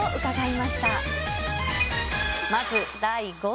まず第５位。